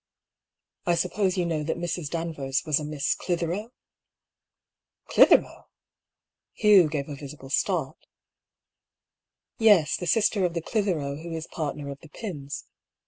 I suppose you know that Mrs. Danvers was a Miss Clithero ?" "Clithero?*' Hugh gave a visible start. " Yes ; the sister of the Clithero who is partner of the Pyms.